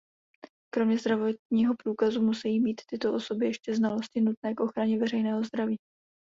Kromě zdravotního průkazu musejí mít tyto osoby ještě znalosti nutné k ochraně veřejného zdraví.